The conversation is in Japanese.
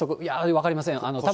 分かりません。